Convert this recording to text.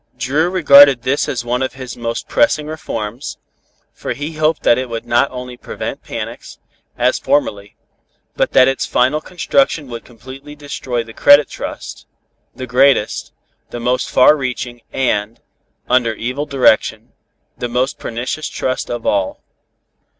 Dru regarded this as one of his most pressing reforms, for he hoped that it would not only prevent panics, as formerly, but that its final construction would completely destroy the credit trust, the greatest, the most far reaching and, under evil direction, the most pernicious trust of all.